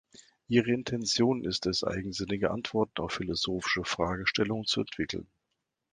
Ihre Intention ist es, "eigensinnige" Antworten auf philosophische Fragestellungen zu entwickeln.